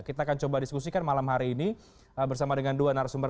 kita akan coba diskusikan malam hari ini bersama dengan dua narasumber